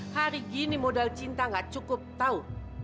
hari gini modal cinta gak cukup tahu